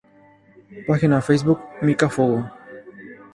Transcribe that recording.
Página Facebook: "Mika Fogo"